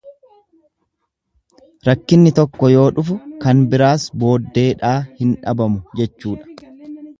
Rakkinni tokko yoo dhufu kan biraas booddeedhaa hin dhabamu jechuudha.